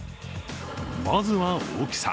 まずは、大きさ。